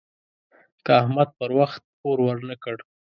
که احمد پر وخت پور ورنه کړ.